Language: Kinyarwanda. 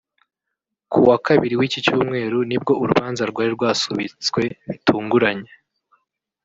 Ku wa kabiri w’icyi cyumweru ni bwo urubanza rwari rwasubitswe bitunguranye